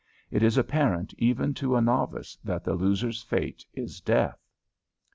It is apparent even to a novice that the loser's fate is death.